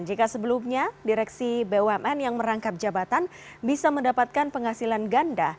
jika sebelumnya direksi bumn yang merangkap jabatan bisa mendapatkan penghasilan ganda